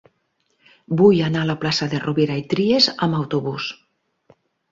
Vull anar a la plaça de Rovira i Trias amb autobús.